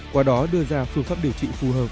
qua đó đưa ra phương pháp điều trị phù hợp